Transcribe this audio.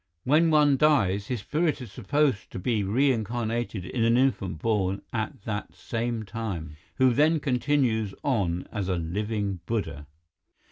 When one dies, his spirit is supposed to be reincarnated in an infant born at that same time, who then continues on as a Living Buddha."